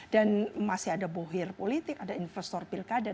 dan masih ada bohir politik ada investor pilkada ten neighbourhood